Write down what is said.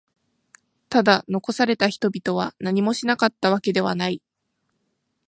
ただ、残された人々は何もしなかったわけではない。